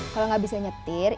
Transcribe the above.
kalau nggak bisa nyetir